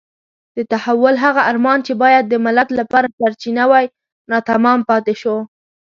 د تحول هغه ارمان چې باید د ملت لپاره سرچینه وای ناتمام پاتې شو.